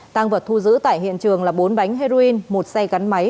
tăng vật thu giữ tại hiện trường là bốn bánh heroin một xe gắn máy